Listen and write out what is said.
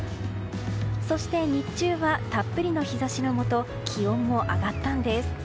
そして日中はたっぷりの日差しのもと気温も上がったんです。